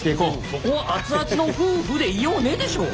そこは「熱々の夫婦でいようね」でしょ！